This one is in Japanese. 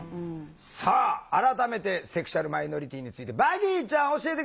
さあ改めてセクシュアルマイノリティーについてヴァギーちゃん教えて下さい。